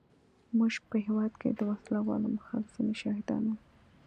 موږ په هېواد کې د وسله والو مخالفینو شاهدان وو.